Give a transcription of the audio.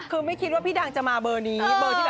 คือไม่คิดว่าพี่ดังจะมาเบอร์นี้